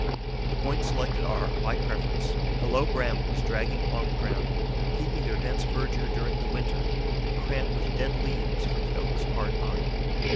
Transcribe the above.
The points selected are, by preference, the low brambles dragging along the ground, keeping their dense verdure during the winter and crammed with dead leaves from the oaks hard by.